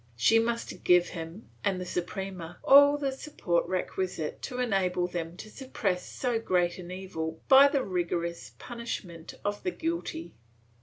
She must give him and the Suprema all the support requisite to enable them to suppress so great an evil by the rigorous punishment of the guilty.